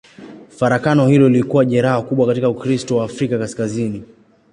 Farakano hilo lilikuwa jeraha kubwa katika Ukristo wa Afrika Kaskazini.